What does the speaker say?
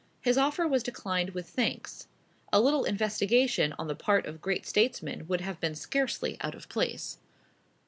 His offer was declined with thanks. A little investigation on the part of great statesmen would have been scarcely out of place.